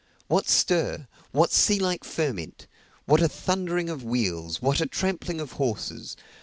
What stir! what sea like ferment! what a thundering of wheels, what a trampling of horses!